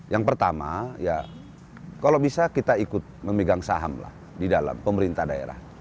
yang pertama ya kalau bisa kita ikut memegang saham lah di dalam pemerintah daerah